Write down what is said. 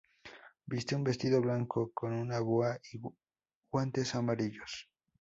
Viste un vestido blanco con un boa y guantes amarillos.